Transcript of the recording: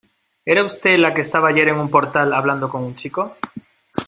¿ era usted la que estaba ayer en un portal hablando con un chico?